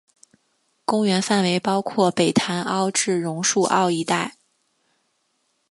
公园范围包括北潭凹至榕树澳一带。